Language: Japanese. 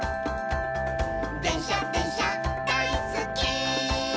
「でんしゃでんしゃだいすっき」